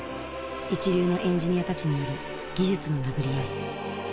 一流のエンジニアたちによる技術の殴り合い。